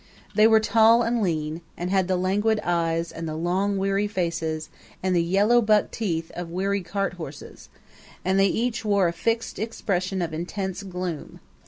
They were tall and lean, and had the languid eyes and the long, weary faces and the yellow buck teeth of weary cart horses, and they each wore a fixed expression of intense gloom.